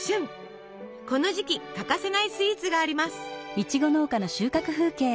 この時期欠かせないスイーツがあります。